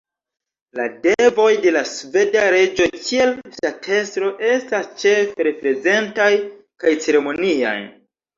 La devoj de la sveda reĝo kiel ŝtatestro estas ĉefe reprezentaj kaj ceremoniaj.